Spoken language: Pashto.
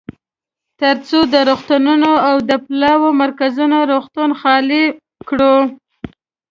ترڅو روغتونونه او د پلاوا مرکزي روغتون خالي کړو.